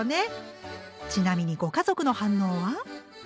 ちなみにご家族の反応は？